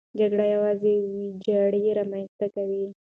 جګړې یوازې ویجاړي رامنځته کوي.